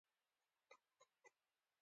بوټونه د بازار د نرخونو سره توپیر لري.